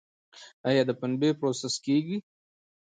آیا د پنبې پروسس کیږي؟